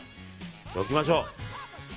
置きましょう。